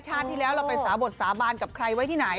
ที่แล้วเราไปสาบดสาบานกับใครไว้ที่ไหน